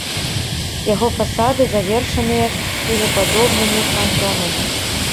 Яго фасады завершаныя кілепадобнымі франтонамі.